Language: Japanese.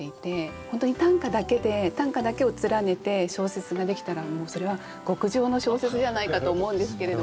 本当に短歌だけで短歌だけを連ねて小説ができたらもうそれは極上の小説じゃないかと思うんですけれども。